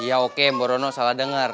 iya oke mbok rono salah denger